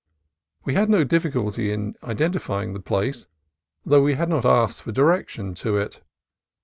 We had no difficulty in identifying the place, though we had not asked for direction to it.